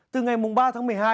từ ngày mùng ba tháng một mươi hai